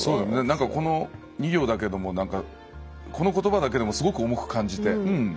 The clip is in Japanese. なんか、この２行だけどもこの言葉だけでもすごく重く感じて。